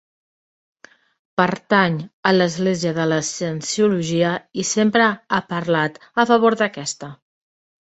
Pertany a l'Església de la Cienciologia i sempre ha parlat a favor d'aquesta.